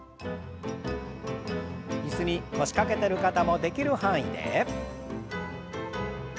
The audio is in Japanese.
椅子に腰掛けてる方もできる範囲で。